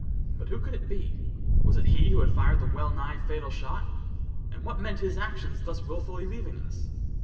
But who could it be? Was it he who had fired the well nigh fatal shot? And what meant his actions in thus willfully leaving us?